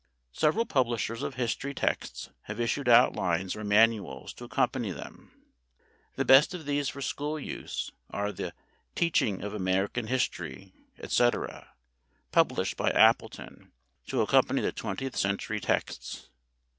Several publishers of history texts have issued outlines or manuals to accompany them. The best of these for school use are the "Teaching of American History," etc., published by Appleton to accompany the Twentieth Century texts.